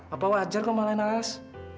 papa wajar kau malah nalas